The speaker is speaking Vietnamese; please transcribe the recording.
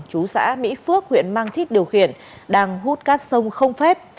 chú xã mỹ phước huyện mang thít điều khiển đang hút cát sông không phép